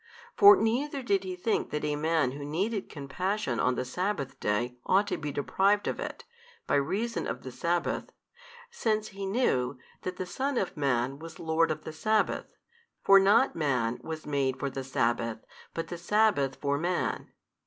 For neither did He think that a man who needed compassion on the sabbath day ought to be deprived of it, by reason of the Sabbath, since He knew that the Son of Man was Lord of the sabbath. For not man was made for the sabbath, but the sabbath for man.